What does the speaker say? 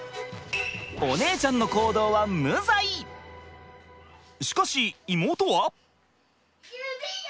お姉ちゃんの行動はしかし妹は？